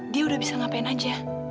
dia udah bisa ngapain aja